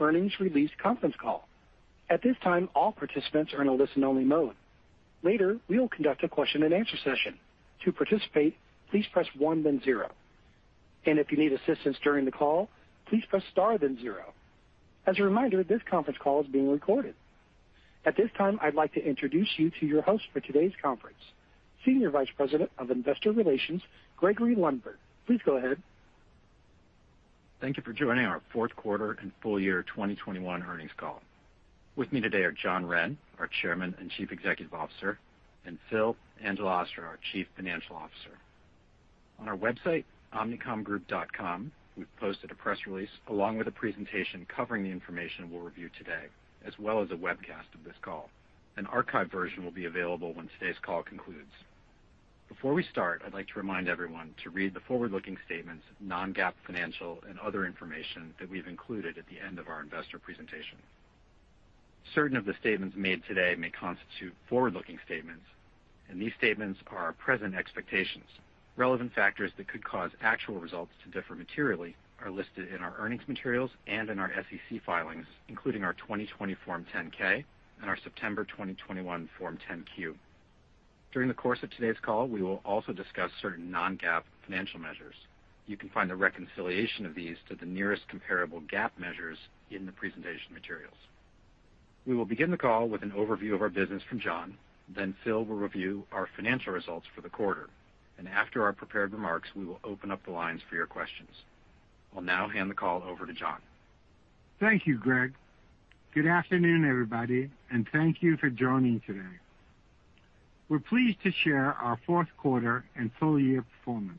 Earnings release conference call. At this time, all participants are in a listen-only mode. Later, we will conduct a question-and-answer session. To participate, please press one then zero. If you need assistance during the call, please press star then zero. As a reminder, this conference call is being recorded. At this time, I'd like to introduce you to your host for today's conference, Senior Vice President of Investor Relations, Gregory Lundberg. Please go ahead. Thank you for joining our fourth quarter and full year 2021 earnings call. With me today are John Wren, our Chairman and Chief Executive Officer, and Philip Angelastro, our Chief Financial Officer. On our website, omnicomgroup.com, we've posted a press release along with a presentation covering the information we'll review today, as well as a webcast of this call. An archived version will be available when today's call concludes. Before we start, I'd like to remind everyone to read the forward-looking statements, non-GAAP financial and other information that we've included at the end of our investor presentation. Certain of the statements made today may constitute forward-looking statements, and these statements are our present expectations. Relevant factors that could cause actual results to differ materially are listed in our earnings materials and in our SEC filings, including our 2020 Form 10-K and our September 2021 Form 10-Q. During the course of today's call, we will also discuss certain non-GAAP financial measures. You can find the reconciliation of these to the nearest comparable GAAP measures in the presentation materials. We will begin the call with an overview of our business from John, then Phil will review our financial results for the quarter. After our prepared remarks, we will open up the lines for your questions. I'll now hand the call over to John. Thank you, Greg. Good afternoon, everybody, and thank you for joining today. We're pleased to share our fourth quarter and full year performance.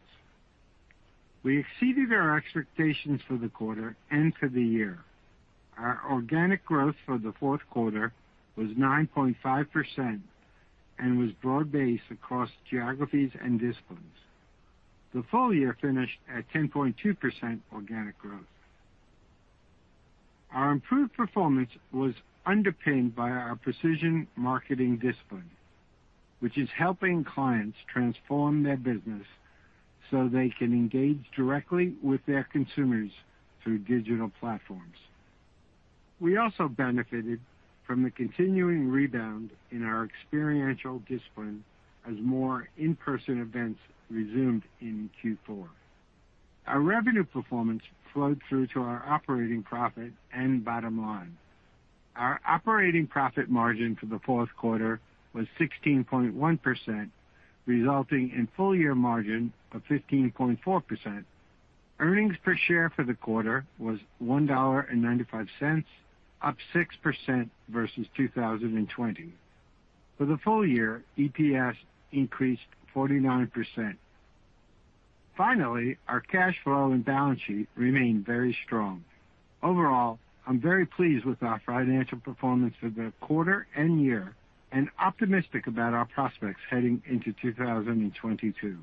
We exceeded our expectations for the quarter and for the year. Our organic growth for the fourth quarter was 9.5% and was broad-based across geographies and disciplines. The full year finished at 10.2% organic growth. Our improved performance was underpinned by our precision marketing discipline, which is helping clients transform their business so they can engage directly with their consumers through digital platforms. We also benefited from the continuing rebound in our experiential discipline as more in-person events resumed in Q4. Our revenue performance flowed through to our operating profit and bottom line. Our operating profit margin for the fourth quarter was 16.1%, resulting in full-year margin of 15.4%. Earnings per share for the quarter was $1.95, up 6% versus 2020. For the full year, EPS increased 49%. Finally, our cash flow and balance sheet remain very strong. Overall, I'm very pleased with our financial performance for the quarter and year and optimistic about our prospects heading into 2022.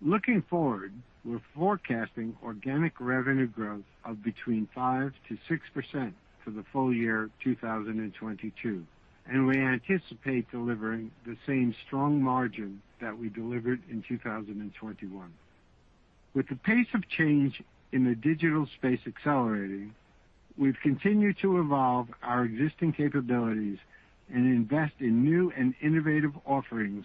Looking forward, we're forecasting organic revenue growth of between 5%-6% for the full year 2022, and we anticipate delivering the same strong margin that we delivered in 2021. With the pace of change in the digital space accelerating, we've continued to evolve our existing capabilities and invest in new and innovative offerings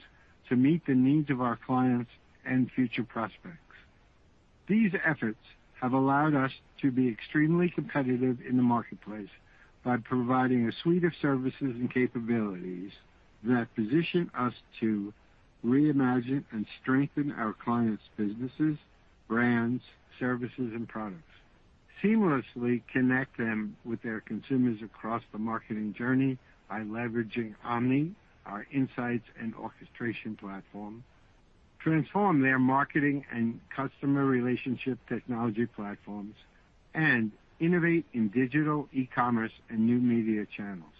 to meet the needs of our clients and future prospects. These efforts have allowed us to be extremely competitive in the marketplace by providing a suite of services and capabilities that position us to reimagine and strengthen our clients' businesses, brands, services, and products, seamlessly connect them with their consumers across the marketing journey by leveraging Omni, our insights and orchestration platform, transform their marketing and customer relationship technology platforms, and innovate in digital e-commerce and new media channels.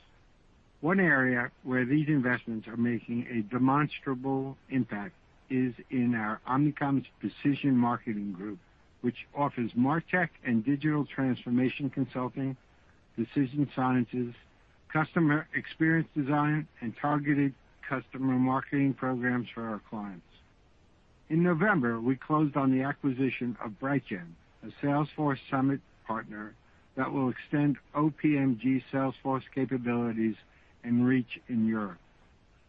One area where these investments are making a demonstrable impact is in our Omnicom Precision Marketing Group, which offers MarTech and digital transformation consulting, decision sciences, customer experience design, and targeted customer marketing programs for our clients. In November, we closed on the acquisition of BrightGen, a Salesforce Summit Partner that will extend OPMG Salesforce capabilities and reach in Europe.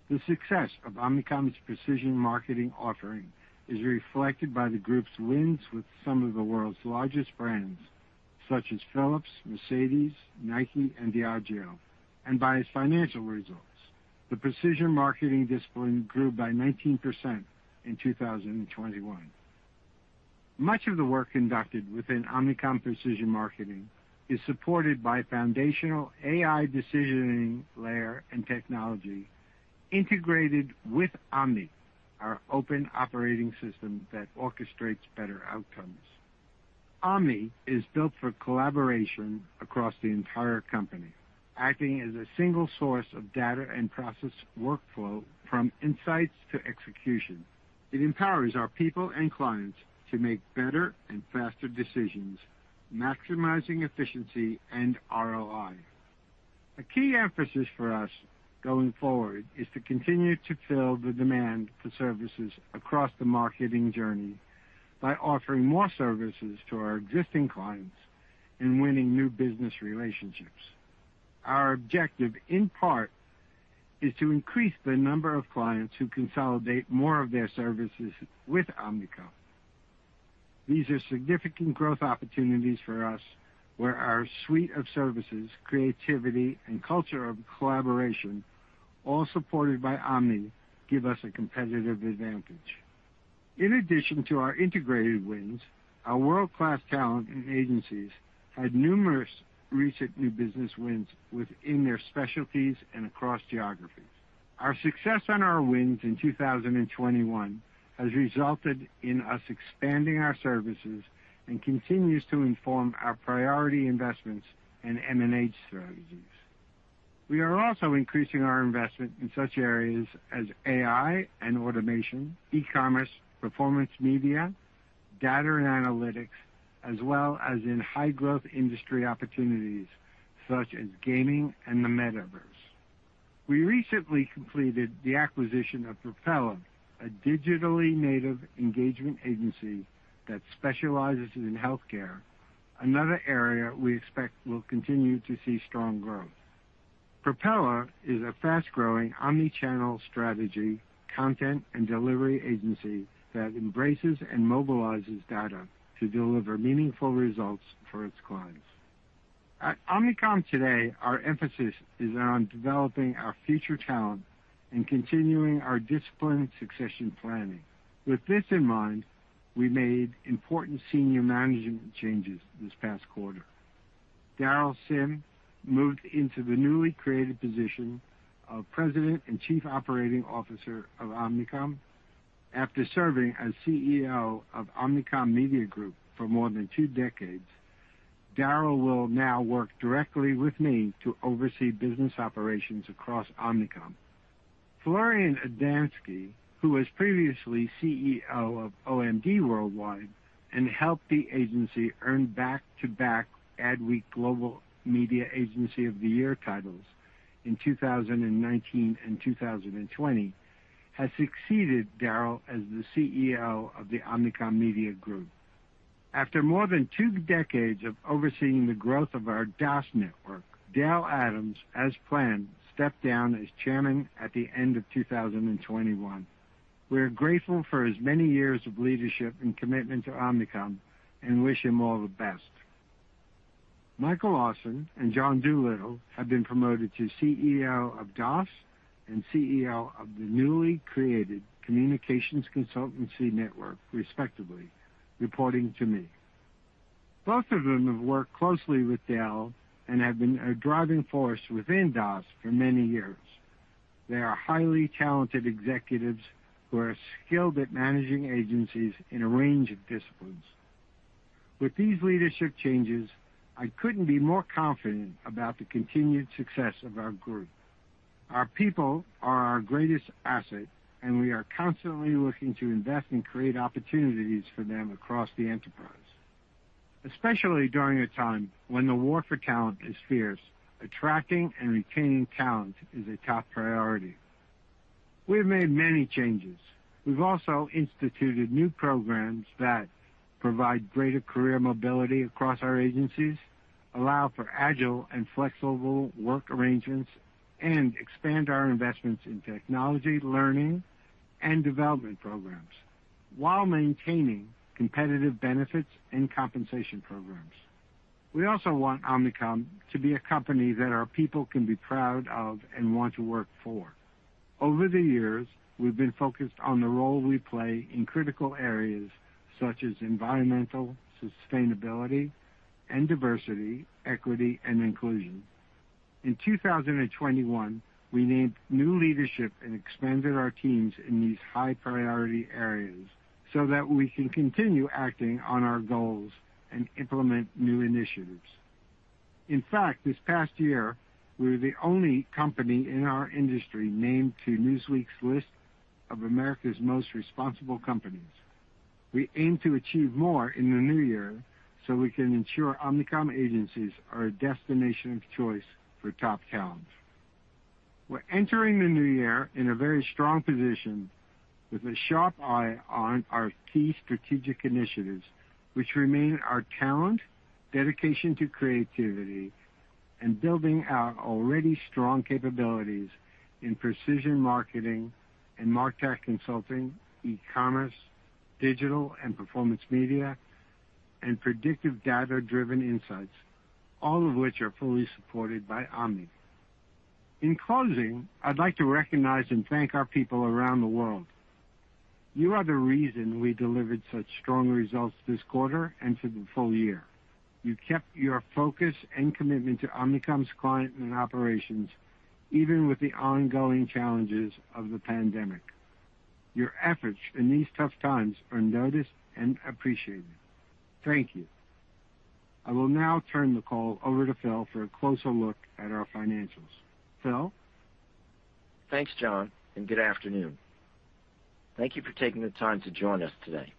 The success of Omnicom's Precision Marketing offering is reflected by the group's wins with some of the world's largest brands, such as Philips, Mercedes-Benz, Nike, and Diageo, and by its financial results. The Precision Marketing discipline grew by 19% in 2021. Much of the work conducted within Omnicom Precision Marketing is supported by foundational AI decisioning layer and technology integrated with Omni, our open operating system that orchestrates better outcomes. Omni is built for collaboration across the entire company, acting as a single source of data and process workflow from insights to execution. It empowers our people and clients to make better and faster decisions, maximizing efficiency and ROI. A key emphasis for us going forward is to continue to fill the demand for services across the marketing journey by offering more services to our existing clients and winning new business relationships. Our objective, in part, is to increase the number of clients who consolidate more of their services with Omnicom. These are significant growth opportunities for us where our suite of services, creativity, and culture of collaboration, all supported by Omni, give us a competitive advantage. In addition to our integrated wins, our world-class talent and agencies had numerous recent new business wins within their specialties and across geographies. Our success on our wins in 2021 has resulted in us expanding our services and continues to inform our priority investments and M&A strategies. We are also increasing our investment in such areas as AI and automation, e-commerce, performance media, data and analytics, as well as in high-growth industry opportunities such as gaming and the metaverse. We recently completed the acquisition of Propeller, a digitally native engagement agency that specializes in healthcare, another area we expect will continue to see strong growth. Propeller is a fast-growing omnichannel strategy, content, and delivery agency that embraces and mobilizes data to deliver meaningful results for its clients. At Omnicom today, our emphasis is on developing our future talent and continuing our disciplined succession planning. With this in mind, we made important senior management changes this past quarter. Daryl Simm moved into the newly created position of President and Chief Operating Officer of Omnicom. After serving as CEO of Omnicom Media Group for more than two decades, Daryl will now work directly with me to oversee business operations across Omnicom. Florian Adamski, who was previously CEO of OMD Worldwide and helped the agency earn back-to-back Adweek Global Media Agency of the Year titles in 2019 and 2020, has succeeded Daryl as the CEO of the Omnicom Media Group. After more than two decades of overseeing the growth of our DAS network, Dale Adams, as planned, stepped down as chairman at the end of 2021. We are grateful for his many years of leadership and commitment to Omnicom and wish him all the best. Michael Larson and John Doolittle have been promoted to CEO of DAS and CEO of the newly created Communications Consultancy Network, respectively, reporting to me. Both of them have worked closely with Dale and have been a driving force within DAS for many years. They are highly talented executives who are skilled at managing agencies in a range of disciplines. With these leadership changes, I couldn't be more confident about the continued success of our group. Our people are our greatest asset, and we are constantly looking to invest and create opportunities for them across the enterprise. Especially during a time when the war for talent is fierce, attracting and retaining talent is a top priority. We have made many changes. We've also instituted new programs that provide greater career mobility across our agencies, allow for agile and flexible work arrangements, and expand our investments in technology learning and development programs while maintaining competitive benefits and compensation programs. We also want Omnicom to be a company that our people can be proud of and want to work for. Over the years, we've been focused on the role we play in critical areas such as environmental sustainability and diversity, equity, and inclusion. In 2021, we named new leadership and expanded our teams in these high-priority areas so that we can continue acting on our goals and implement new initiatives. In fact, this past year, we were the only company in our industry named to Newsweek's list of America's Most Responsible Companies. We aim to achieve more in the new year so we can ensure Omnicom agencies are a destination of choice for top talent. We're entering the new year in a very strong position with a sharp eye on our key strategic initiatives, which remain our talent, dedication to creativity, and building our already strong capabilities in precision marketing and MarTech consulting, e-commerce, digital and performance media, and predictive data-driven insights, all of which are fully supported by Omni. In closing, I'd like to recognize and thank our people around the world. You are the reason we delivered such strong results this quarter and for the full year. You kept your focus and commitment to Omnicom's client and operations, even with the ongoing challenges of the pandemic. Your efforts in these tough times are noticed and appreciated. Thank you. I will now turn the call over to Phil for a closer look at our financials. Phil? Thanks, John, and good afternoon. Thank you for taking the time to join us today.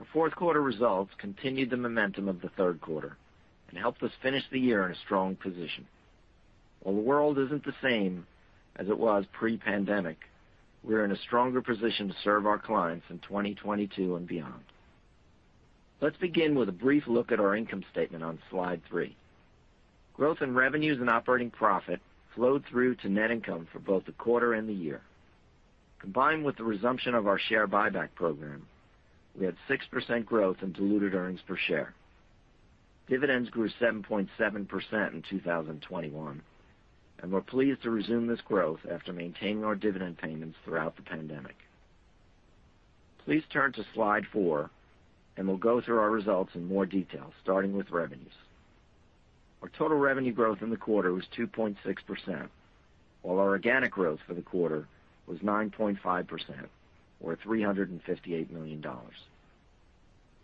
Our fourth quarter results continued the momentum of the third quarter and helped us finish the year in a strong position. While the world isn't the same as it was pre-pandemic, we are in a stronger position to serve our clients in 2022 and beyond. Let's begin with a brief look at our income statement on slide three. Growth in revenues and operating profit flowed through to net income for both the quarter and the year. Combined with the resumption of our share buyback program, we had 6% growth in diluted EPS. Dividends grew 7.7% in 2021, and we're pleased to resume this growth after maintaining our dividend payments throughout the pandemic. Please turn to slide four and we'll go through our results in more detail, starting with revenues. Our total revenue growth in the quarter was 2.6%, while our organic growth for the quarter was 9.5% or $358 million.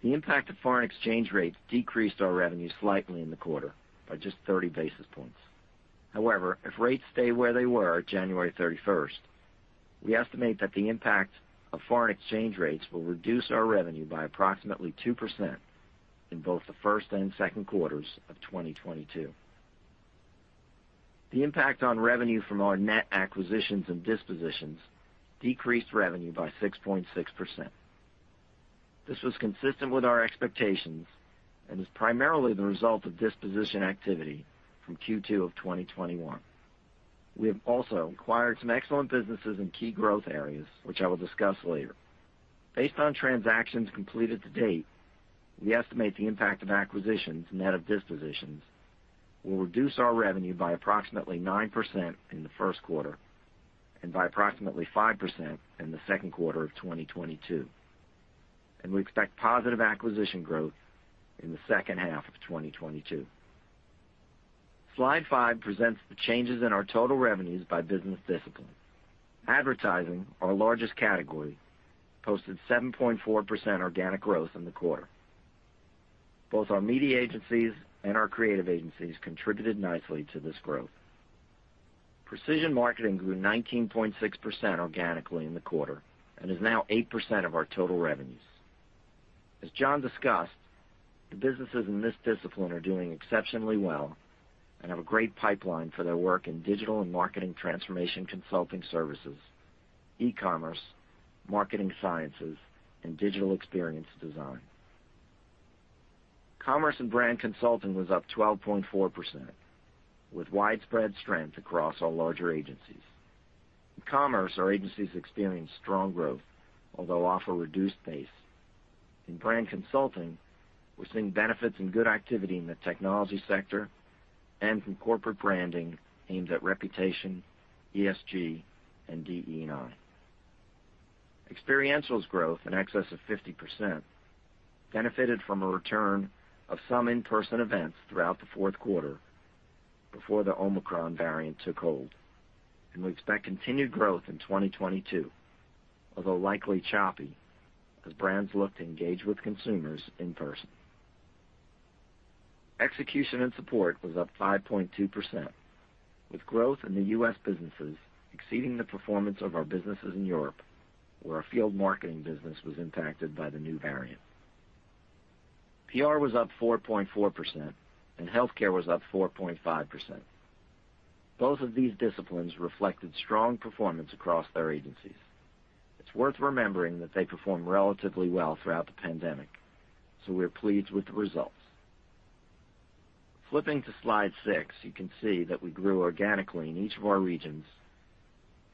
The impact of foreign exchange rates decreased our revenue slightly in the quarter by just 30 basis points. However, if rates stay where they were January 31st, we estimate that the impact of foreign exchange rates will reduce our revenue by approximately 2% in both the first and second quarters of 2022. The impact on revenue from our net acquisitions and dispositions decreased revenue by 6.6%. This was consistent with our expectations and is primarily the result of disposition activity from Q2 of 2021. We have also acquired some excellent businesses in key growth areas, which I will discuss later. Based on transactions completed to date, we estimate the impact of acquisitions, net of dispositions, will reduce our revenue by approximately 9% in the first quarter and by approximately 5% in the second quarter of 2022. We expect positive acquisition growth in the second half of 2022. Slide five presents the changes in our total revenues by business discipline. Advertising, our largest category, posted 7.4% organic growth in the quarter. Both our media agencies and our creative agencies contributed nicely to this growth. Precision marketing grew 19.6% organically in the quarter and is now 8% of our total revenues. As John discussed, the businesses in this discipline are doing exceptionally well and have a great pipeline for their work in digital and marketing transformation consulting services, e-commerce, marketing sciences, and digital experience design. Commerce and brand consulting was up 12.4%, with widespread strength across our larger agencies. In commerce, our agencies experienced strong growth, although off a reduced base. In brand consulting, we're seeing benefits and good activity in the technology sector and from corporate branding aimed at reputation, ESG, and DE&I. Experiential's growth in excess of 50% benefited from a return of some in-person events throughout the fourth quarter before the Omicron variant took hold. We expect continued growth in 2022, although likely choppy as brands look to engage with consumers in person. Execution and support was up 5.2%, with growth in the U.S. businesses exceeding the performance of our businesses in Europe, where our field marketing business was impacted by the new variant. PR was up 4.4% and healthcare was up 4.5%. Both of these disciplines reflected strong performance across their agencies. It's worth remembering that they performed relatively well throughout the pandemic, so we're pleased with the results. Flipping to slide six, you can see that we grew organically in each of our regions,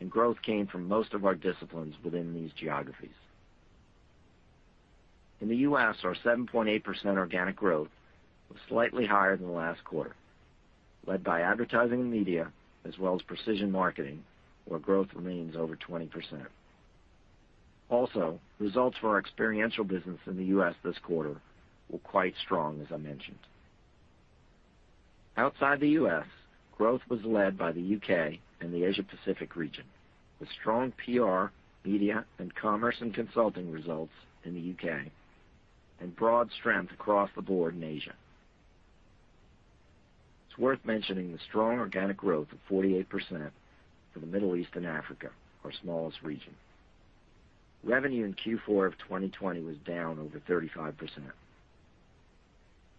and growth came from most of our disciplines within these geographies. In the U.S., our 7.8% organic growth was slightly higher than last quarter, led by advertising and media, as well as precision marketing, where growth remains over 20%. Also, results for our experiential business in the U.S. this quarter were quite strong, as I mentioned. Outside the U.S., growth was led by the U.K. and the Asia Pacific region, with strong PR, media, and commerce and consulting results in the U.K. and broad strength across the board in Asia. It's worth mentioning the strong organic growth of 48% for the Middle East and Africa, our smallest region. Revenue in Q4 of 2020 was down over 35%.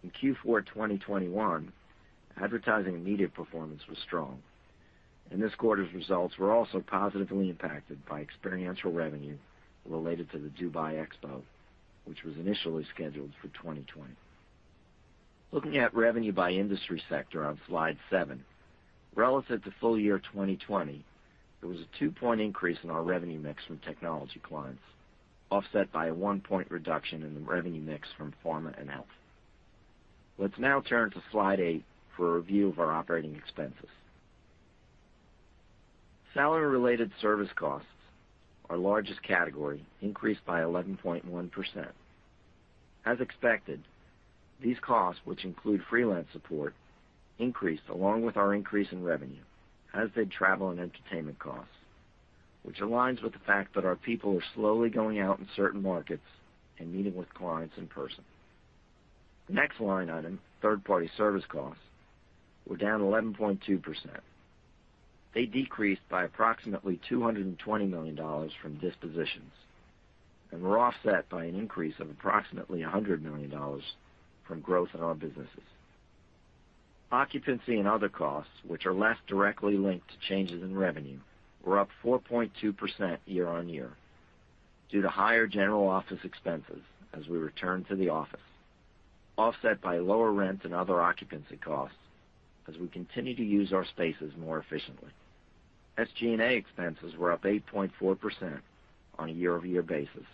In Q4 2021, advertising and media performance was strong, and this quarter's results were also positively impacted by experiential revenue related to Expo 2020 Dubai, which was initially scheduled for 2020. Looking at revenue by industry sector on slide seven. Relative to full year 2020, there was a two-point increase in our revenue mix from technology clients, offset by a one-point reduction in the revenue mix from pharma and health. Let's now turn to slide eight for a review of our operating expenses. Salary related service costs, our largest category, increased by 11.1%. As expected, these costs, which include freelance support, increased along with our increase in revenue as did travel and entertainment costs, which aligns with the fact that our people are slowly going out in certain markets and meeting with clients in person. The next line item, third-party service costs, were down 11.2%. They decreased by approximately $220 million from dispositions and were offset by an increase of approximately $100 million from growth in our businesses. Occupancy and other costs, which are less directly linked to changes in revenue, were up 4.2% year-on-year due to higher general office expenses as we return to the office, offset by lower rent and other occupancy costs as we continue to use our spaces more efficiently. SG&A expenses were up 8.4% on a year-over-year basis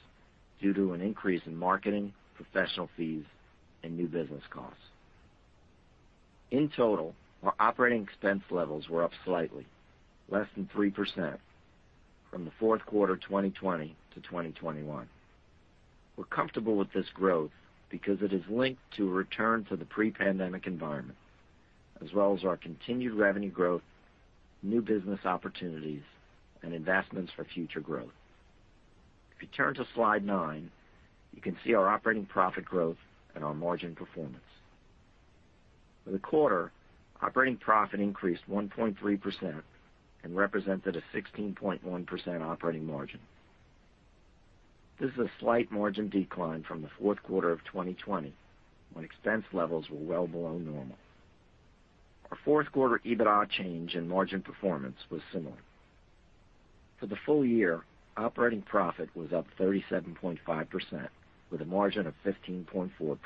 due to an increase in marketing, professional fees, and new business costs. In total, our operating expense levels were up slightly, less than 3% from the fourth quarter 2020 to 2021. We're comfortable with this growth because it is linked to a return to the pre-pandemic environment as well as our continued revenue growth, new business opportunities, and investments for future growth. If you turn to slide nine, you can see our operating profit growth and our margin performance. For the quarter, operating profit increased 1.3% and represented a 16.1% operating margin. This is a slight margin decline from the fourth quarter of 2020 when expense levels were well below normal. Our fourth quarter EBITA change in margin performance was similar. For the full year, operating profit was up 37.5% with a margin of 15.4%,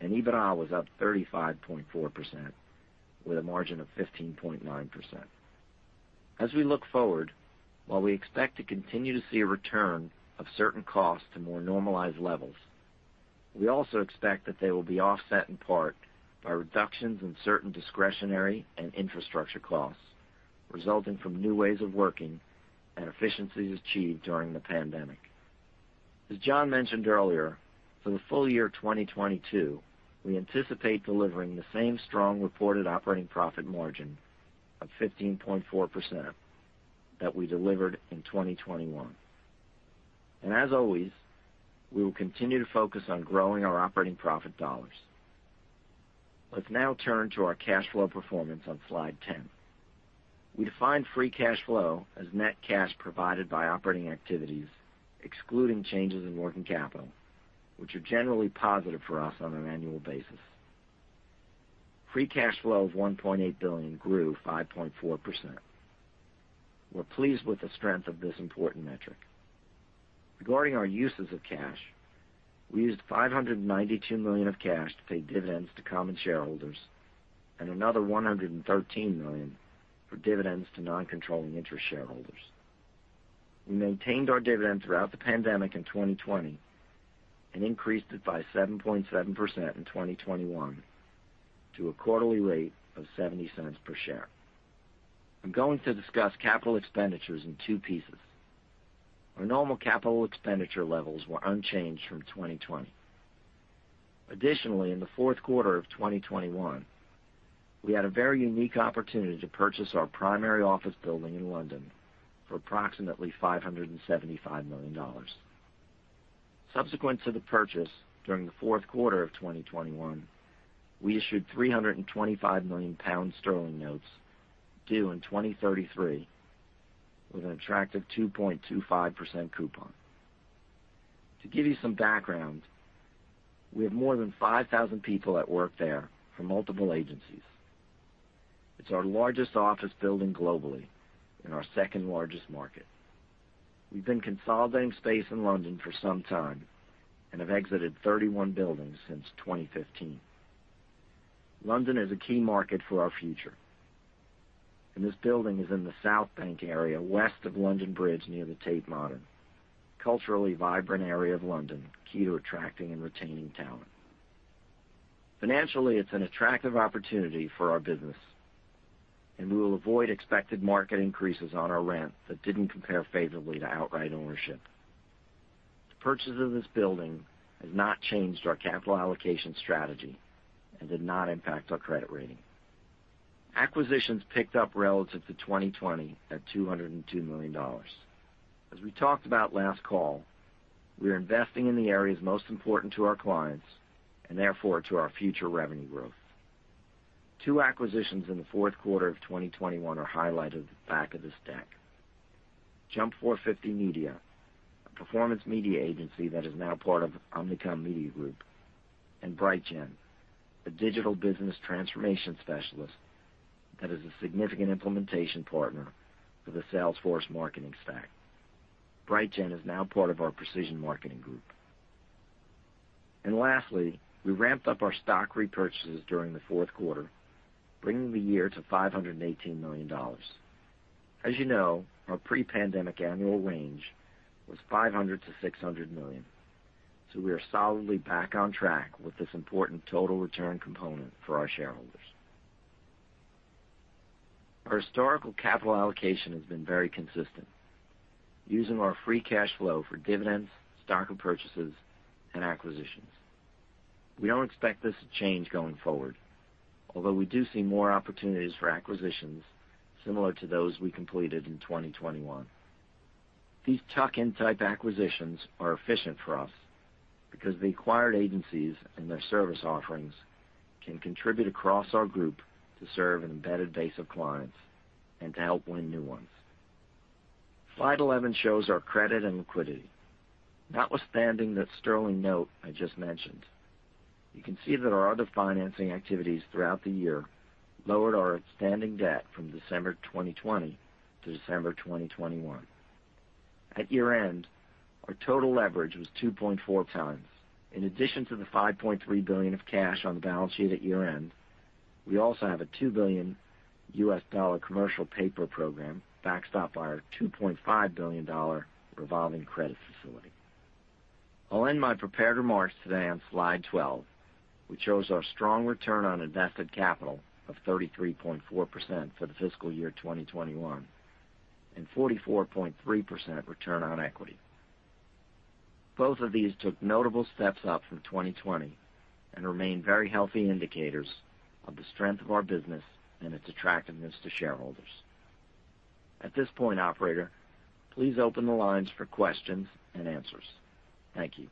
and EBITA was up 35.4% with a margin of 15.9%. As we look forward, while we expect to continue to see a return of certain costs to more normalized levels, we also expect that they will be offset in part by reductions in certain discretionary and infrastructure costs resulting from new ways of working and efficiencies achieved during the pandemic. As John mentioned earlier, for the full year 2022, we anticipate delivering the same strong reported operating profit margin of 15.4% that we delivered in 2021. As always, we will continue to focus on growing our operating profit dollars. Let's now turn to our cash flow performance on slide 10. We define free cash flow as net cash provided by operating activities, excluding changes in working capital, which are generally positive for us on an annual basis. Free cash flow of $1.8 billion grew 5.4%. We're pleased with the strength of this important metric. Regarding our uses of cash, we used $592 million of cash to pay dividends to common shareholders and another $113 million for dividends to non-controlling interest shareholders. We maintained our dividend throughout the pandemic in 2020 and increased it by 7.7% in 2021 to a quarterly rate of $0.70 per share. I'm going to discuss capital expenditures in two pieces. Our normal capital expenditure levels were unchanged from 2020. Additionally, in the fourth quarter of 2021, we had a very unique opportunity to purchase our primary office building in London for approximately $575 million. Subsequent to the purchase, during the fourth quarter of 2021, we issued 325 million pound sterling notes due in 2033 with an attractive 2.25% coupon. To give you some background, we have more than 5,000 people that work there from multiple agencies. It's our largest office building globally in our second-largest market. We've been consolidating space in London for some time and have exited 31 buildings since 2015. London is a key market for our future, and this building is in the South Bank area west of London Bridge, near the Tate Modern, culturally vibrant area of London, key to attracting and retaining talent. Financially, it's an attractive opportunity for our business, and we will avoid expected market increases on our rent that didn't compare favorably to outright ownership. The purchase of this building has not changed our capital allocation strategy and did not impact our credit rating. Acquisitions picked up relative to 2020 at $202 million. As we talked about last call, we are investing in the areas most important to our clients and therefore to our future revenue growth. Two acquisitions in the fourth quarter of 2021 are highlighted at the back of this deck, Jump 450 Media, a performance media agency that is now part of Omnicom Media Group, and BrightGen, a digital business transformation specialist that is a significant implementation partner for the Salesforce marketing stack. BrightGen is now part of our Precision Marketing Group. Lastly, we ramped up our stock repurchases during the fourth quarter, bringing the year to $518 million. As you know, our pre-pandemic annual range was $500 million-$600 million, so we are solidly back on track with this important total return component for our shareholders. Our historical capital allocation has been very consistent, using our free cash flow for dividends, stock repurchases, and acquisitions. We don't expect this to change going forward, although we do see more opportunities for acquisitions similar to those we completed in 2021. These tuck-in type acquisitions are efficient for us because the acquired agencies and their service offerings can contribute across our group to serve an embedded base of clients and to help win new ones. Slide 11 shows our credit and liquidity. Notwithstanding that Sterling note I just mentioned, you can see that our other financing activities throughout the year lowered our outstanding debt from December 2020 to December 2021. At year-end, our total leverage was 2.4 times. In addition to the $5.3 billion of cash on the balance sheet at year-end, we also have a $2 billion commercial paper program backstopped by our $2.5 billion revolving credit facility. I'll end my prepared remarks today on slide 12, which shows our strong return on invested capital of 33.4% for the fiscal year 2021, and 44.3% return on equity. Both of these took notable steps up from 2020 and remain very healthy indicators of the strength of our business and its attractiveness to shareholders. At this point, operator, please open the lines for questions and answers. Thank you.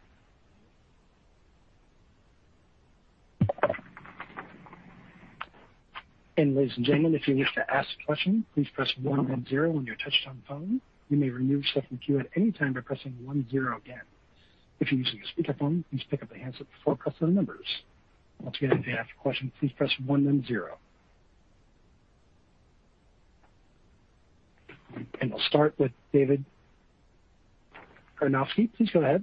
Ladies and gentlemen, if you wish to ask a question, please press one then zero on your touchtone phone. You may remove yourself from queue at any time by pressing one zero again. If you're using a speakerphone, please pick up the handset before pressing the numbers. Once again, if you have a question, please press one then zero. We'll start with David Karnovsky. Please go ahead.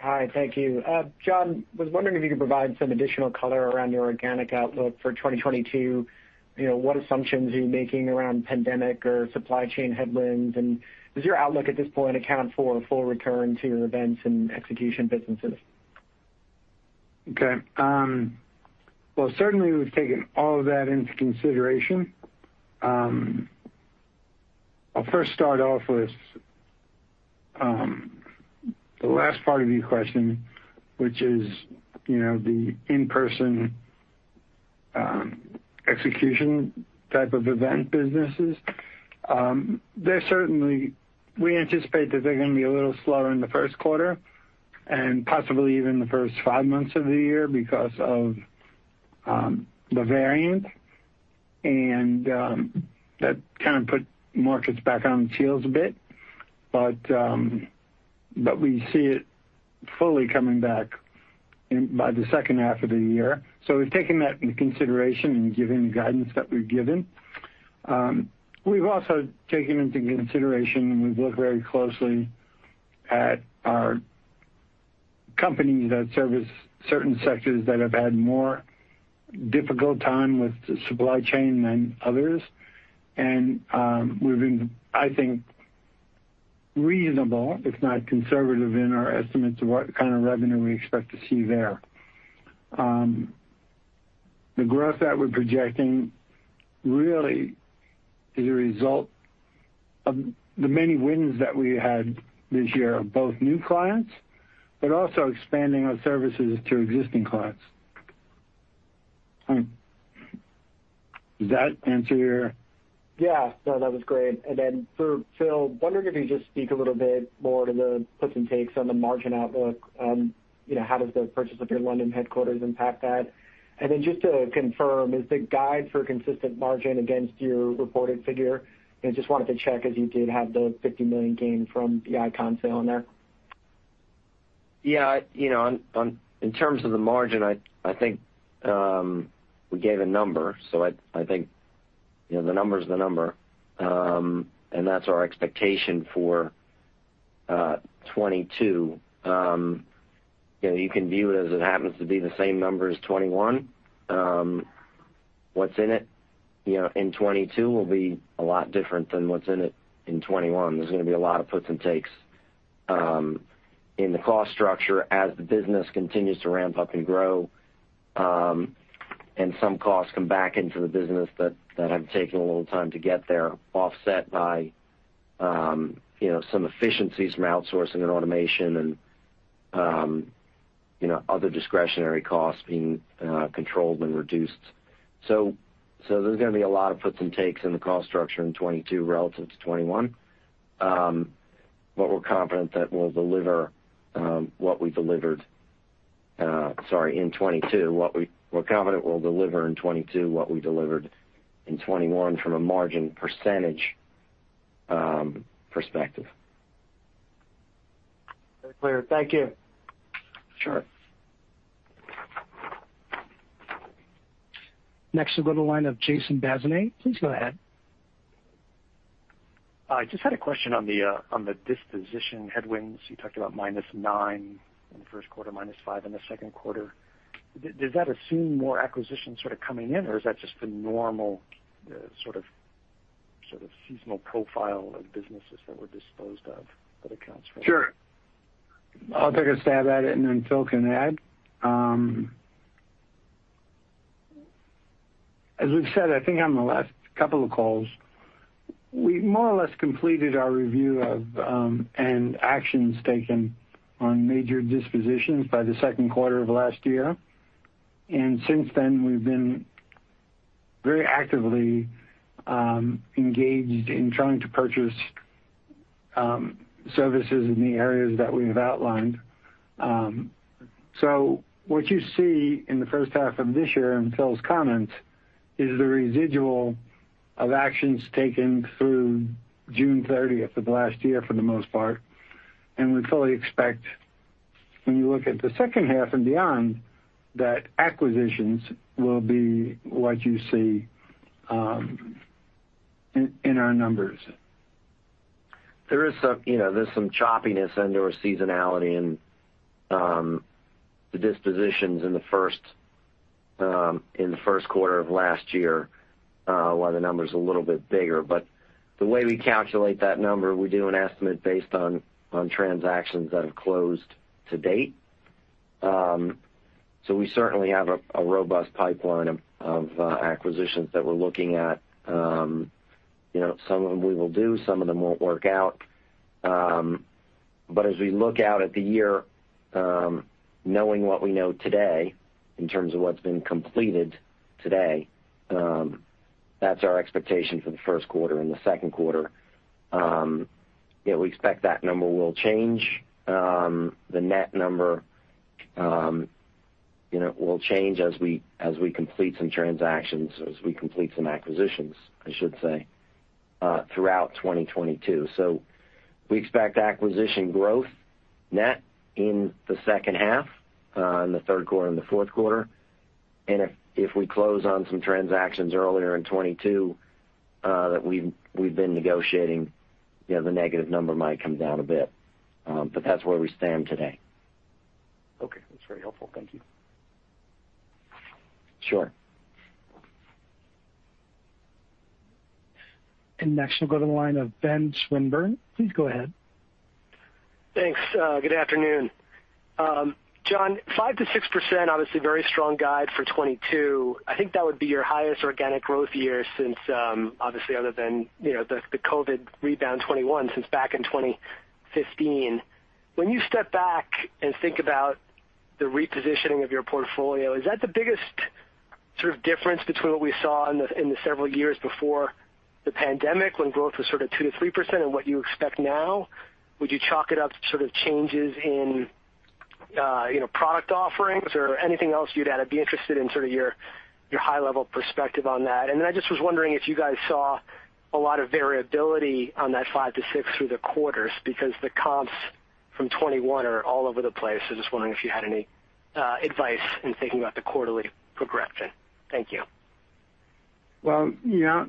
Hi. Thank you. John, I was wondering if you could provide some additional color around your organic outlook for 2022. You know, what assumptions are you making around pandemic or supply chain headwinds? Does your outlook at this point account for a full return to your events and execution businesses? Okay. Well, certainly we've taken all of that into consideration. I'll first start off with the last part of your question, which is, you know, the in-person execution type of event businesses. We anticipate that they're gonna be a little slower in the first quarter and possibly even the first five months of the year because of the variant. That kind of put markets back on their heels a bit. We see it fully coming back by the second half of the year. We've taken that into consideration in giving the guidance that we've given. We've also taken into consideration, and we've looked very closely at our companies that service certain sectors that have had more difficult time with the supply chain than others. We've been, I think, reasonable, if not conservative, in our estimates of what kind of revenue we expect to see there. The growth that we're projecting really is a result of the many wins that we had this year of both new clients but also expanding our services to existing clients. Does that answer your? Yeah. That was great. And then, for Phil, wondering if you could just speak a little bit more to the puts and takes on the margin outlook. You know, how does the purchase of your London headquarters impact that? Just to confirm, is the guide for consistent margin against your reported figure? Just wanted to check, as you did have the $50 million gain from the ICON sale in there. Yeah. You know, in terms of the margin, I think we gave a number. I think, you know, the number is the number. That's our expectation for 2022. You know, you can view it as it happens to be the same number as 2021. What's in it, you know, in 2022 will be a lot different than what's in it in 2021. There's gonna be a lot of puts and takes in the cost structure as the business continues to ramp up and grow, and some costs come back into the business that have taken a little time to get there, offset by you know, some efficiencies from outsourcing and automation and you know, other discretionary costs being controlled and reduced. There's gonna be a lot of puts and takes in the cost structure in 2022 relative to 2021. But we're confident that we'll deliver, what we delivered, sorry, in 2022. What we. We're confident we'll deliver in 2022 what we delivered in 2021 from a margin percentage perspective. Very clear. Thank you. Sure. Next, we'll go to the line of Jason Bazinet. Please go ahead. I just had a question on the disposition headwinds. You talked about minus nine in the first quarter, minus five in the second quarter. Does that assume more acquisitions sort of coming in, or is that just the normal sort of seasonal profile of businesses that were disposed of that accounts for that? Sure. I'll take a stab at it, and then Phil can add. As we've said, I think on the last couple of calls, we more or less completed our review of and actions taken on major dispositions by the second quarter of last year. Since then, we've been very actively engaged in trying to purchase services in the areas that we have outlined. What you see in the first half of this year in Phil's comment is the residual of actions taken through June 30 of last year for the most part. We fully expect when you look at the second half and beyond, that acquisitions will be what you see in our numbers. There is some, you know, there's some choppiness and there was seasonality in the dispositions in the first quarter of last year, why the number's a little bit bigger. The way we calculate that number, we do an estimate based on transactions that have closed to date. We certainly have a robust pipeline of acquisitions that we're looking at. You know, some of them we will do, some of them won't work out. As we look out at the year, knowing what we know today in terms of what's been completed today, that's our expectation for the first quarter and the second quarter. You know, we expect that number will change. The net number, you know, will change as we complete some acquisitions, I should say, throughout 2022. We expect acquisition growth net in the second half, in the third quarter and the fourth quarter. If we close on some transactions earlier in 2022, that we've been negotiating, you know, the negative number might come down a bit. That's where we stand today. Okay. That's very helpful. Thank you. Sure. Next, we'll go to the line of Ben Swinburne. Please go ahead. Thanks. Good afternoon. John, 5%-6%, obviously very strong guide for 2022. I think that would be your highest organic growth year since, obviously other than, you know, the COVID rebound 2021 since back in 2015. When you step back and think about the repositioning of your portfolio, is that the biggest sort of difference between what we saw in the several years before the pandemic when growth was sort of 2%-3% and what you expect now? Would you chalk it up to sort of changes in, you know, product offerings or anything else you'd add? I'd be interested in sort of your high level perspective on that. I just was wondering if you guys saw a lot of variability on that 5%-6% through the quarters because the comps from 2021 are all over the place. Just wondering if you had any advice in thinking about the quarterly progression. Thank you. Well, you know,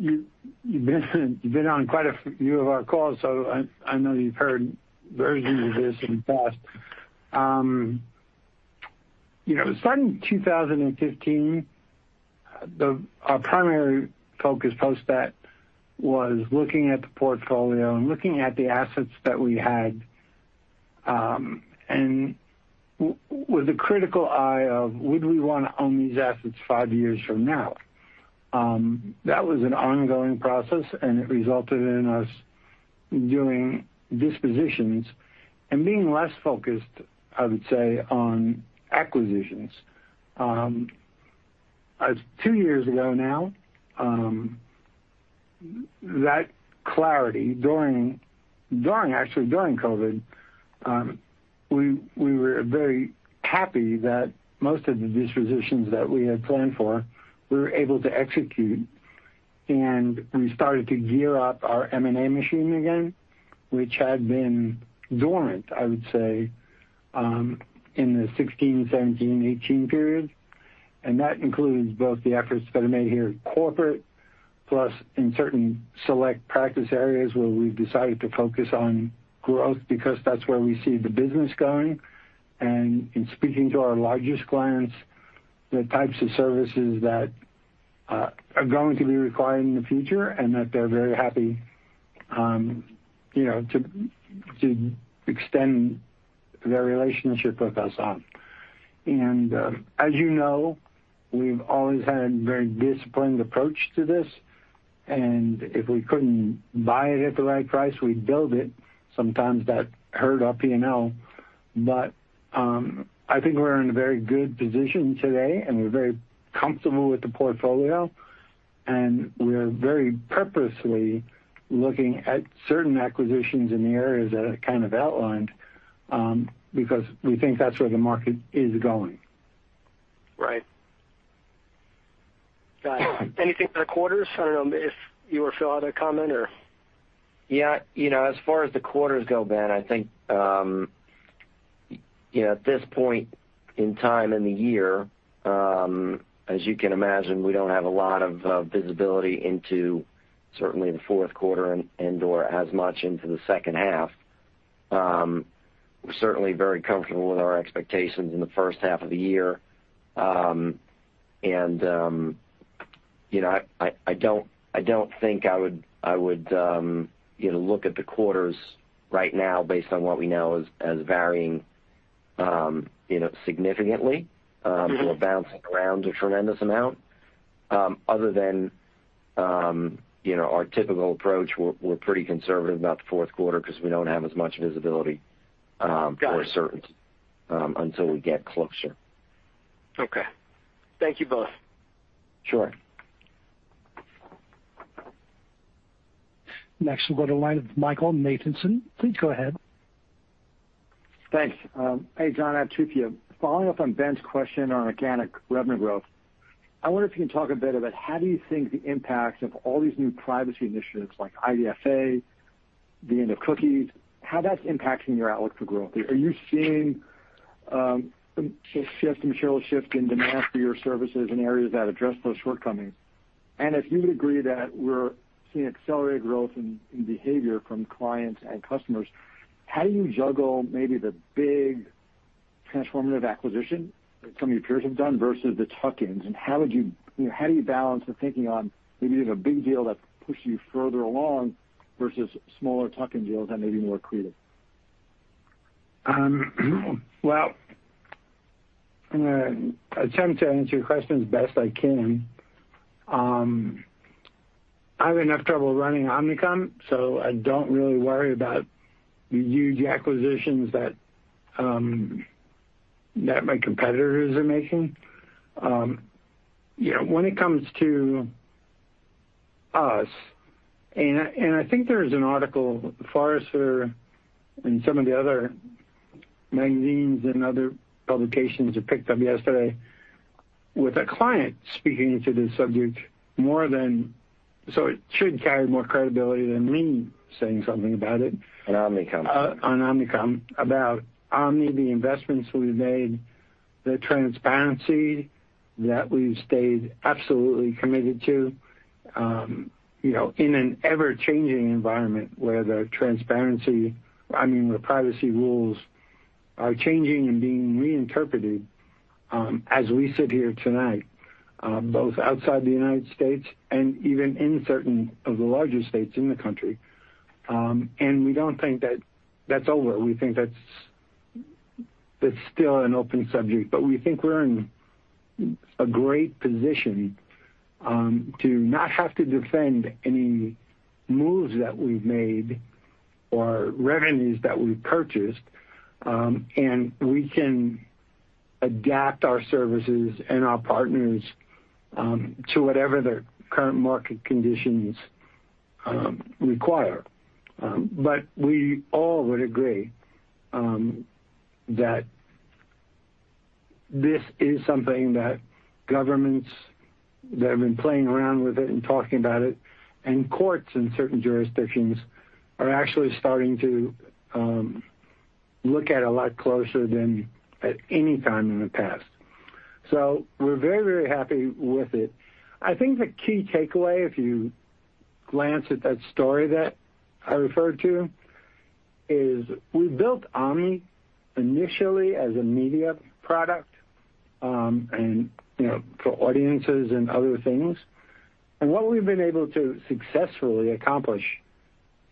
you've been on quite a few of our calls, so I know you've heard versions of this in the past. You know, starting 2015, our primary focus post that was looking at the portfolio and looking at the assets that we had, and with a critical eye of would we wanna own these assets five years from now. That was an ongoing process, and it resulted in us doing dispositions and being less focused, I would say, on acquisitions. Two years ago now, that clarity, actually during COVID, we were very happy that most of the dispositions that we had planned for we were able to execute. We started to gear up our M&A machine again, which had been dormant, I would say, in the 16, 17, 18 period. That includes both the efforts that are made here at corporate plus in certain select practice areas where we've decided to focus on growth because that's where we see the business going. In speaking to our largest clients, the types of services that are going to be required in the future and that they're very happy, you know, to extend their relationship with us on. As you know, we've always had a very disciplined approach to this. If we couldn't buy it at the right price, we'd build it. Sometimes that hurt our P&L. I think we're in a very good position today, and we're very comfortable with the portfolio, and we're very purposefully looking at certain acquisitions in the areas that I kind of outlined, because we think that's where the market is going. Right. Got it. Anything about quarters? I don't know if you or Phil had a comment or. Yeah. You know, as far as the quarters go, Ben, I think, you know, at this point in time in the year, as you can imagine, we don't have a lot of visibility into certainly the fourth quarter and/or as much into the second half. We're certainly very comfortable with our expectations in the first half of the year. You know, I don't think I would look at the quarters right now based on what we know as varying significantly or bouncing around a tremendous amount, other than our typical approach. We're pretty conservative about the fourth quarter because we don't have as much visibility. Got it. For a certainty, until we get closer. Okay. Thank you both. Sure. Next, we'll go to the line of Michael Nathanson. Please go ahead. Thanks. Hey, John, I have two for you. Following up on Ben's question on organic revenue growth, I wonder if you can talk a bit about how do you think the impact of all these new privacy initiatives like IDFA, the end of cookies, how that's impacting your outlook for growth. Are you seeing some shift, some material shift in demand for your services in areas that address those shortcomings? And if you would agree that we're seeing accelerated growth in behavior from clients and customers, how do you juggle maybe the big transformative acquisition that some of your peers have done versus the tuck-ins? And how would you know, how do you balance the thinking on maybe there's a big deal that pushes you further along versus smaller tuck-in deals that may be more accretive? Well, I'm gonna attempt to answer your question as best I can. I have enough trouble running Omnicom, so I don't really worry about the huge acquisitions that my competitors are making. You know, when it comes to us, and I think there is an article, Forrester and some of the other magazines and other publications have picked up yesterday with a client speaking to this subject more than me. So it should carry more credibility than me saying something about it. On Omnicom. On Omnicom, about Omni, the investments we've made, the transparency that we've stayed absolutely committed to, you know, in an ever-changing environment where the transparency, I mean, the privacy rules are changing and being reinterpreted, as we sit here tonight, both outside the United States and even in certain of the larger states in the country. We don't think that that's over. We think that's still an open subject, but we think we're in a great position to not have to defend any moves that we've made or revenues that we've purchased, and we can adapt our services and our partners to whatever the current market conditions require. We all would agree that this is something that governments that have been playing around with it and talking about it, and courts in certain jurisdictions are actually starting to look at a lot closer than at any time in the past. We're very, very happy with it. I think the key takeaway, if you glance at that story that I referred to, is we built Omni initially as a media product, and, you know, for audiences and other things. What we've been able to successfully accomplish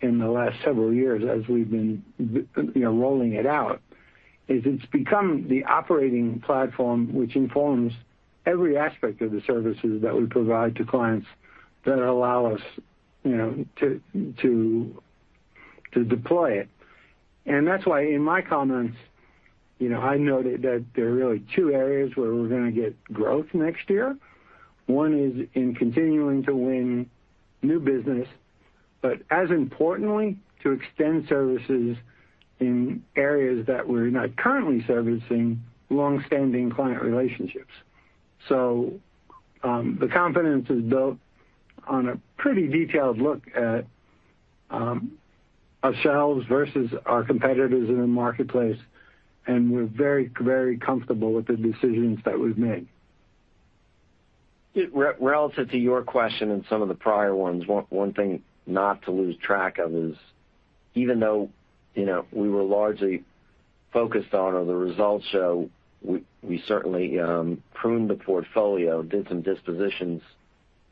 in the last several years as we've been, you know, rolling it out, is it's become the operating platform which informs every aspect of the services that we provide to clients that allow us, you know, to deploy it. That's why in my comments, you know, I noted that there are really two areas where we're gonna get growth next year. One is in continuing to win new business, but as importantly, to extend services in areas that we're not currently servicing long-standing client relationships. The confidence is built on a pretty detailed look at ourselves versus our competitors in the marketplace, and we're very, very comfortable with the decisions that we've made. Relative to your question and some of the prior ones, one thing not to lose track of is even though, you know, we were largely focused on or the results show we certainly pruned the portfolio, did some dispositions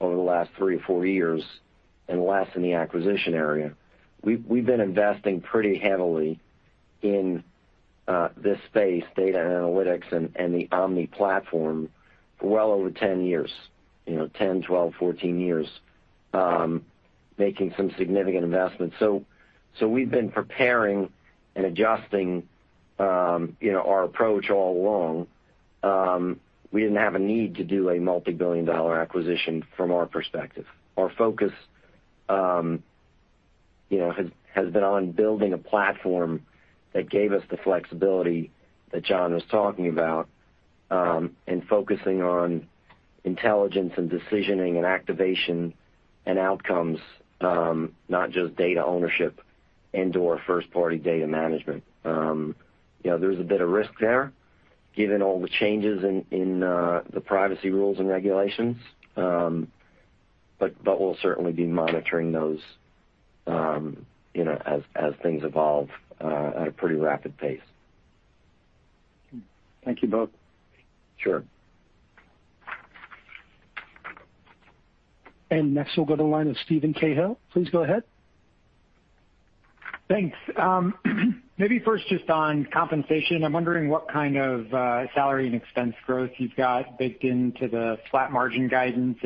over the last three or four years and less in the acquisition area. We've been investing pretty heavily in this space, data and analytics and the Omni platform for well over 10 years, you know, 10, 12, 14 years, making some significant investments. We've been preparing and adjusting, you know, our approach all along. We didn't have a need to do a multi-billion dollar acquisition from our perspective. Our focus, you know, has been on building a platform that gave us the flexibility that John was talking about, and focusing on intelligence and decisioning and activation and outcomes, not just data ownership and/or first-party data management. You know, there's a bit of risk there given all the changes in the privacy rules and regulations. But we'll certainly be monitoring those, you know, as things evolve at a pretty rapid pace. Thank you both. Sure. Next, we'll go to the line of Steven Cahall. Please go ahead. Thanks. Maybe first just on compensation. I'm wondering what kind of salary and expense growth you've got baked into the flat margin guidance.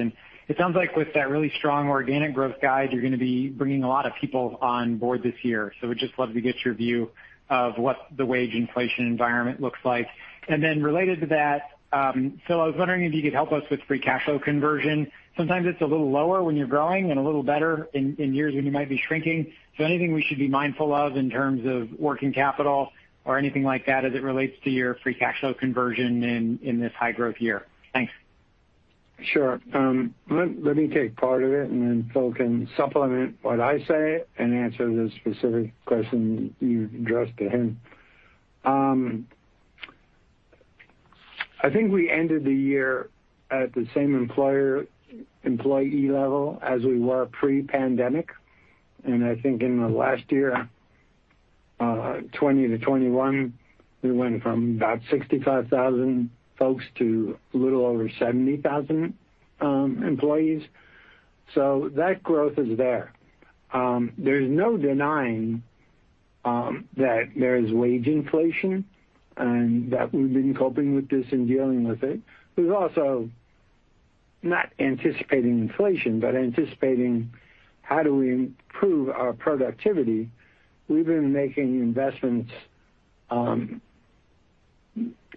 It sounds like with that really strong organic growth guide, you're gonna be bringing a lot of people on board this year. We'd just love to get your view of what the wage inflation environment looks like. Then related to that, Phil, I was wondering if you could help us with free cash flow conversion. Sometimes it's a little lower when you're growing and a little better in years when you might be shrinking. Anything we should be mindful of in terms of working capital or anything like that as it relates to your free cash flow conversion in this high growth year? Thanks. Sure. Let me take part of it, and then Phil can supplement what I say and answer the specific question you addressed to him. I think we ended the year at the same employer-employee level as we were pre-pandemic. I think in the last year, 2020 to 2021, we went from about 65,000 folks to a little over 70,000 employees. That growth is there. There's no denying that there is wage inflation and that we've been coping with this and dealing with it. There's also not anticipating inflation, but anticipating how do we improve our productivity. We've been making investments,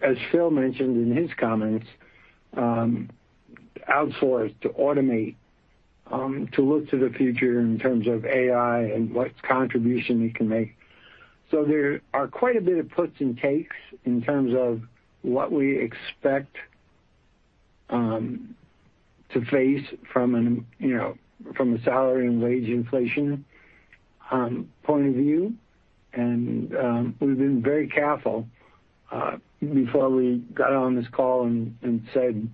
as Phil mentioned in his comments, outsource to automate, to look to the future in terms of AI and what contribution it can make. There are quite a bit of puts and takes in terms of what we expect to face from a salary and wage inflation point of view. We've been very careful before we got on this call and said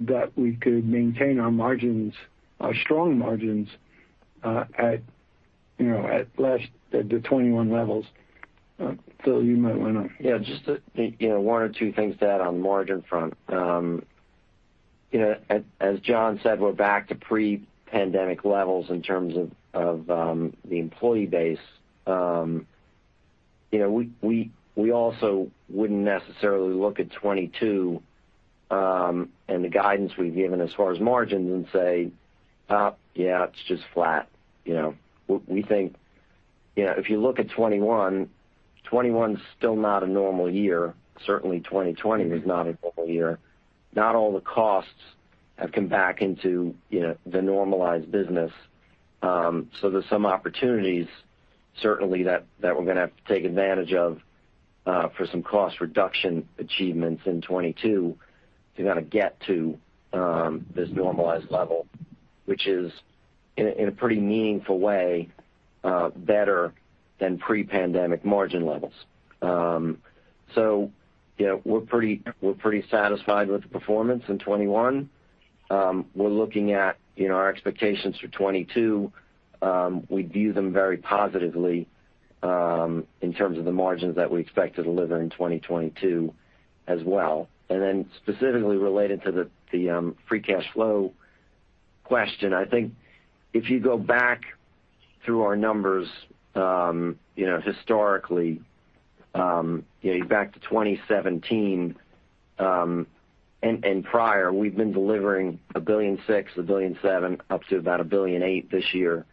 that we could maintain our margins, our strong margins, at the 2021 levels. Phil, you might wanna- Yeah. Just to you know, one or two things to add on the margin front. You know, as John said, we're back to pre-pandemic levels in terms of the employee base. You know, we also wouldn't necessarily look at 2022 and the guidance we've given as far as margins and say, "yeah, it's just flat." You know? We think, you know, if you look at 2021 is still not a normal year. Certainly, 2020 was not a normal year. Not all the costs have come back into you know, the normalized business. So there's some opportunities certainly that we're gonna have to take advantage of for some cost reduction achievements in 2022 to kind of get to this normalized level, which is in a pretty meaningful way better than pre-pandemic margin levels. You know, we're pretty satisfied with the performance in 2021. We're looking at you know, our expectations for 2022. We view them very positively in terms of the margins that we expect to deliver in 2022 as well. Specifically related to the free cash flow question, I think if you go back through our numbers, you know, historically, you know, back to 2017 and prior, we've been delivering $1.6 billion, $1.7 billion, up to about $1.8 billion this year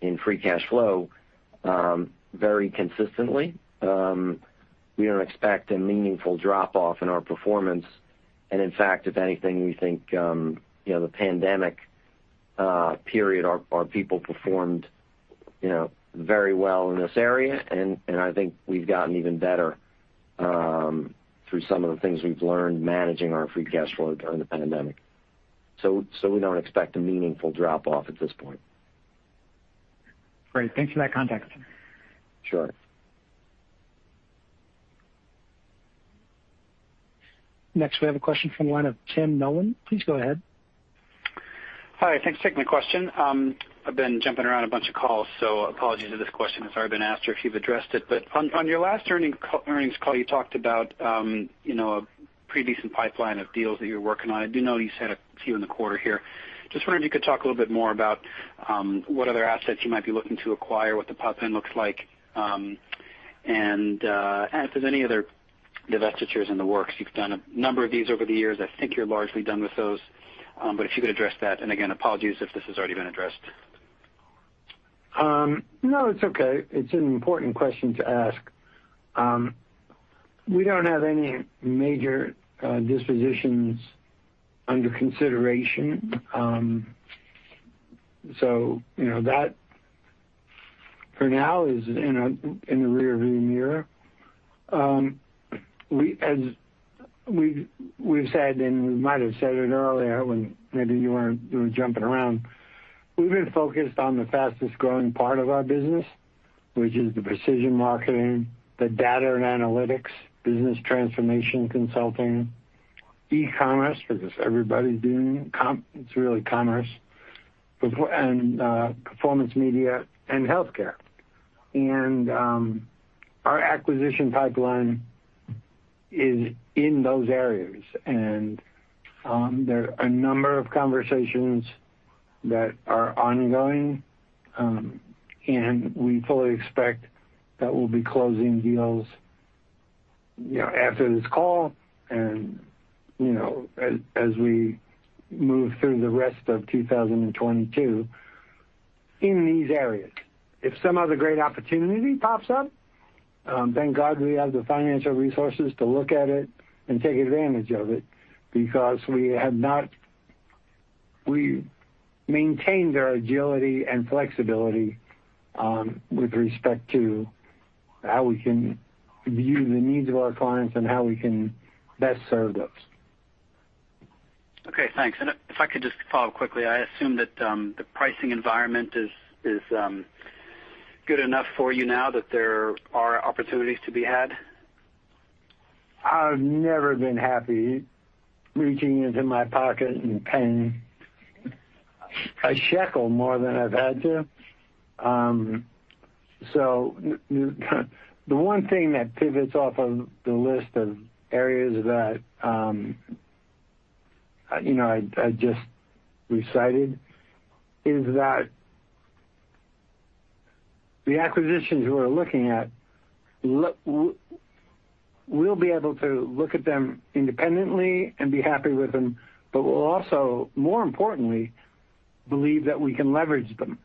in free cash flow very consistently. We don't expect a meaningful drop-off in our performance. In fact, if anything, we think you know, the pandemic period, our people performed you know, very well in this area. I think we've gotten even better through some of the things we've learned managing our free cash flow during the pandemic. We don't expect a meaningful drop-off at this point. Great. Thanks for that context. Sure. Next, we have a question from the line of Tim Nollen. Please go ahead. Hi. Thanks for taking the question. I've been jumping around a bunch of calls, so apologies if this question has already been asked or if you've addressed it. On your last earnings call, you talked about, you know, a pretty decent pipeline of deals that you're working on. I do know you've had a few in the quarter here. Just wondering if you could talk a little bit more about what other assets you might be looking to acquire, what the pipeline looks like. And if there's any other divestitures in the works. You've done a number of these over the years. I think you're largely done with those. But if you could address that, and again, apologies if this has already been addressed. No, it's okay. It's an important question to ask. We don't have any major dispositions under consideration. So you know, that for now is in the rearview mirror. As we've said, and we might have said it earlier when maybe you weren't, you know, jumping around, we've been focused on the fastest growing part of our business, which is the precision marketing, the data and analytics, business transformation consulting, e-commerce, because everybody's doing commerce. It's really commerce. Performance media and healthcare. Our acquisition pipeline is in those areas. There are a number of conversations that are ongoing, and we fully expect that we'll be closing deals, you know, after this call and, you know, as we move through the rest of 2022 in these areas. If some other great opportunity pops up, thank God we have the financial resources to look at it and take advantage of it. We maintained our agility and flexibility, with respect to how we can view the needs of our clients and how we can best serve those. Okay, thanks. If I could just follow up quickly. I assume that the pricing environment is good enough for you now that there are opportunities to be had. I've never been happy reaching into my pocket and paying a shekel more than I've had to. The one thing that pivots off of the list of areas that, you know, I just recited is that the acquisitions we're looking at, we'll be able to look at them independently and be happy with them, but we'll also, more importantly, believe that we can leverage them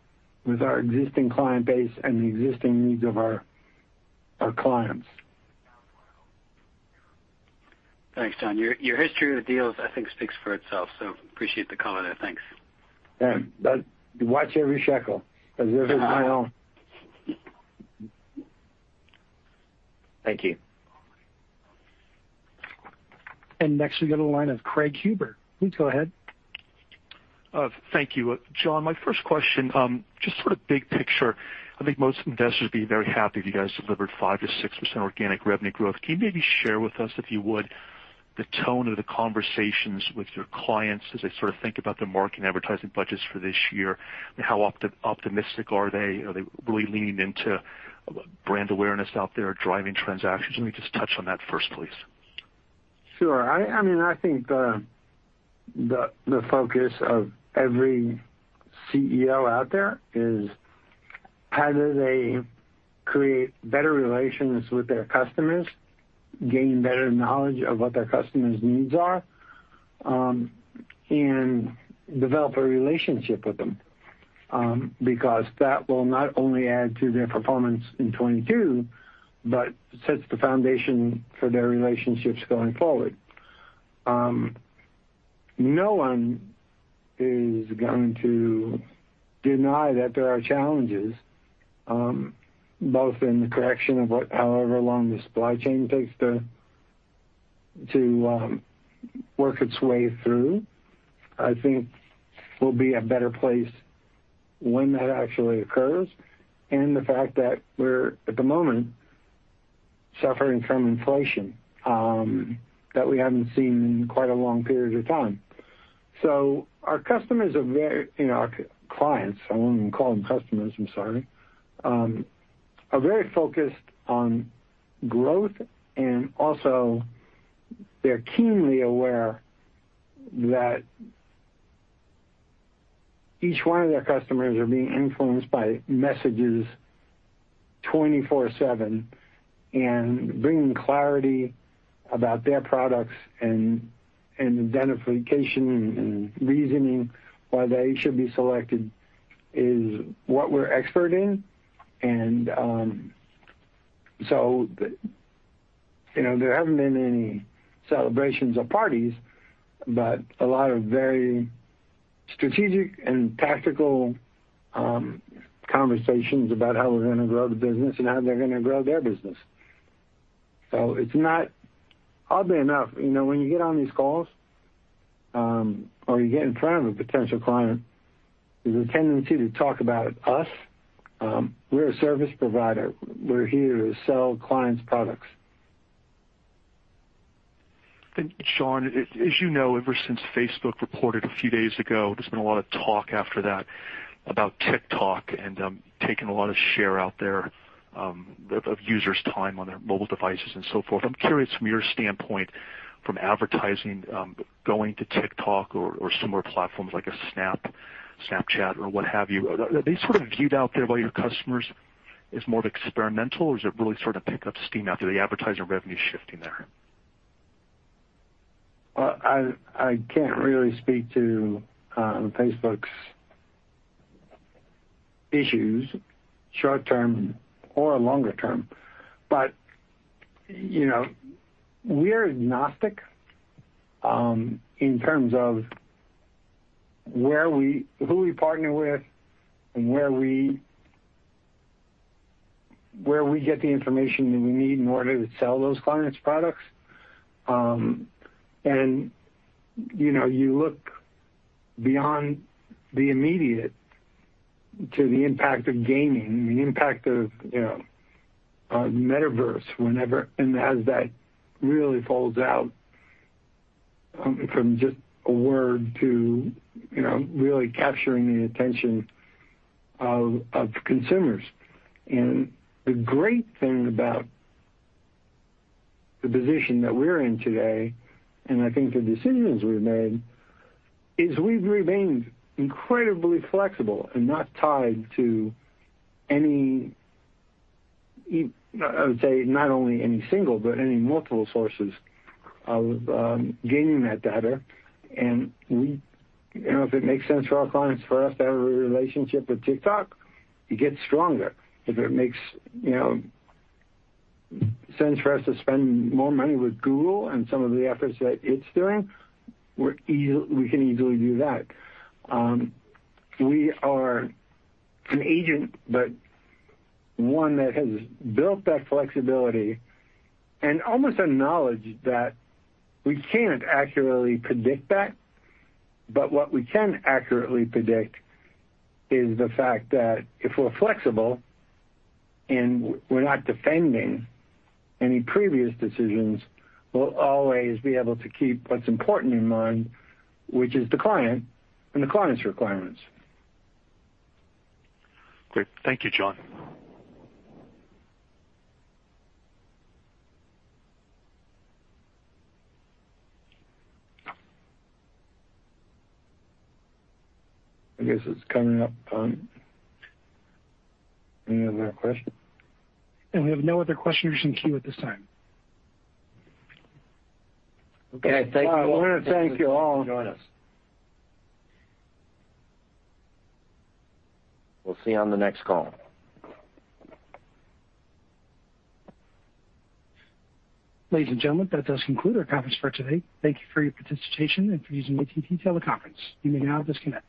with our existing client base and the existing needs of our clients. Thanks, John. Your history with deals, I think, speaks for itself, so appreciate the color there. Thanks. Yeah. Watch every shekel, because this is my own. Thank you. Next we go to the line of Craig Huber. Please go ahead. Thank you. John, my first question, just sort of big picture. I think most investors would be very happy if you guys delivered 5%-6% organic revenue growth. Can you maybe share with us, if you would, the tone of the conversations with your clients as they sort of think about their marketing advertising budgets for this year? How optimistic are they? Are they really leaning into brand awareness out there, driving transactions? Can you just touch on that first, please? Sure. I mean, I think the focus of every CEO out there is how do they create better relations with their customers, gain better knowledge of what their customer's needs are, and develop a relationship with them, because that will not only add to their performance in 2022, but sets the foundation for their relationships going forward. No one is going to deny that there are challenges, both in the correction of what however long the supply chain takes to work its way through. I think we'll be a better place when that actually occurs, and the fact that we're at the moment suffering from inflation that we haven't seen in quite a long period of time. Our customers are very clients. I wouldn't call them customers, I'm sorry, are very focused on growth, and also they're keenly aware that each one of their customers are being influenced by messages 24/7. Bringing clarity about their products and identification and reasoning why they should be selected is what we're expert in. You know, there haven't been any celebrations or parties, but a lot of very strategic and tactical conversations about how we're gonna grow the business and how they're gonna grow their business. Oddly enough, you know, when you get on these calls or you get in front of a potential client, there's a tendency to talk about us. We're a service provider. We're here to sell clients' products. John, as you know, ever since Facebook reported a few days ago, there's been a lot of talk after that about TikTok and, taking a lot of share out there, of users' time on their mobile devices and so forth. I'm curious from your standpoint from advertising, going to TikTok or similar platforms like a Snap, Snapchat or what have you. Are they sort of viewed out there by your customers as more of experimental, or does it really sort of pick up steam out there, the advertising revenue shifting there? Well, I can't really speak to Facebook's issues short term or longer term, but you know, we're agnostic in terms of who we partner with and where we get the information that we need in order to sell those clients' products. You know, you look beyond the immediate to the impact of gaming, the impact of metaverse whenever and as that really falls out. From just a word to really capturing the attention of consumers. The great thing about the position that we're in today, and I think the decisions we've made, is we've remained incredibly flexible and not tied to any. I would say not only any single, but any multiple sources of gaining that data. We, you know, if it makes sense for our clients, for us to have a relationship with TikTok, it gets stronger. If it makes, you know, sense for us to spend more money with Google and some of the efforts that it's doing, we can easily do that. We are an agent, but one that has built that flexibility and almost a knowledge that we can't accurately predict that. But what we can accurately predict is the fact that if we're flexible and we're not defending any previous decisions, we'll always be able to keep what's important in mind, which is the client and the client's requirements. Great. Thank you, John. I guess it's coming up time. Any other questions? We have no other questions in queue at this time. Okay. Thank you all. I wanna thank you all for joining us. We'll see you on the next call. Ladies and gentlemen, that does conclude our conference for today. Thank you for your participation and for using AT&T Teleconference. You may now disconnect.